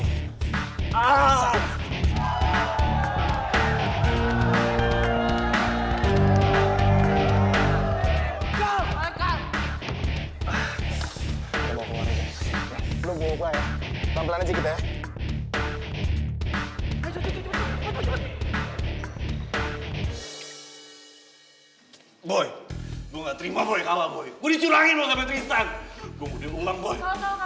gue mau dia uang boy